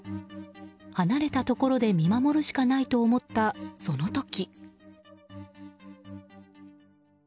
離れたところで見守るしかないと思ったその時。